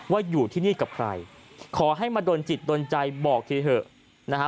ว่าอยู่ที่นี่กับใครขอให้มาโดนจิตโดนใจบอกทีเถอะนะฮะ